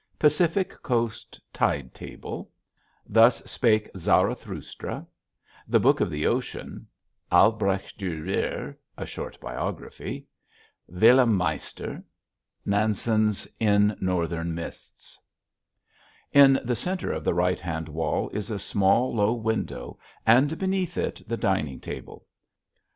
"Pacific Coast Tide Table" "Thus Spake Zarathustra" "The Book of the Ocean" "Albrecht Dürer" (A Short Biography) "Wilhelm Meister" Nansen's "In Northern Mists" In the center of the right hand wall is a small low window and beneath it the dining table.